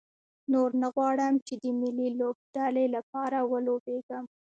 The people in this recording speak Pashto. نور نه غواړم چې د ملي لوبډلې لپاره ولوبېږم.